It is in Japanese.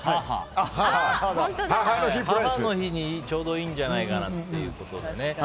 母の日にちょうどいいんじゃないかなってことでね。